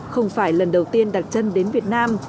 không phải lần đầu tiên đặt chân đến việt nam